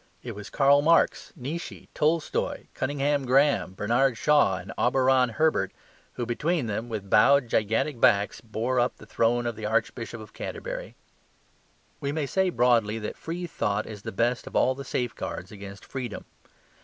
It was Karl Marx, Nietzsche, Tolstoy, Cunninghame Grahame, Bernard Shaw and Auberon Herbert, who between them, with bowed gigantic backs, bore up the throne of the Archbishop of Canterbury. We may say broadly that free thought is the best of all the safeguards against freedom.